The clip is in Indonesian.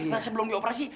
nah sebelum di operasi